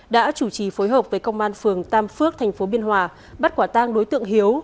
đã chủ trì phối hợp với công an phường tam phước thành phố biên hòa bắt quả tang đối tượng hiếu